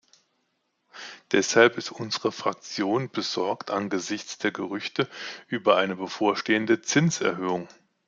Deshalb ist unsere Fraktion besorgt angesichts der Gerüchte über eine bevorstehende Zinserhöhung.